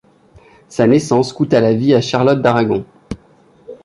Sa naissance coûta la vie à Charlotte d'Aragon.